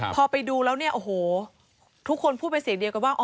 พอไปดูแล้วทุกคนพูดเป็นเสียงเดียวกันว่า